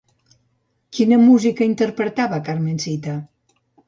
Quina música interpretava Carmencita?